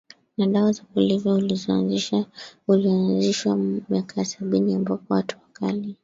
na dawa za kulevya ulioanzishwa miaka ya sabini ambapo hatua kali